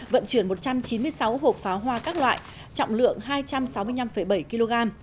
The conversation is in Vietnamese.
vận chuyển một trăm chín mươi sáu hộp pháo hoa các loại trọng lượng hai trăm sáu mươi năm bảy kg